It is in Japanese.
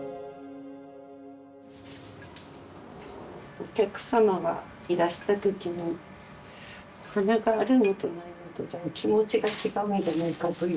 お客様がいらした時に花があるのとないのとじゃお気持ちが違うんじゃないかという。